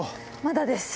まだです。